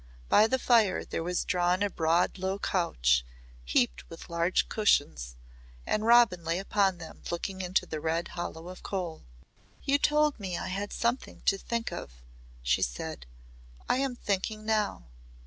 By the fire there was drawn a broad low couch heaped with large cushions, and Robin lay upon them looking into the red hollow of coal. "You told me I had something to think of," she said. "I am thinking now.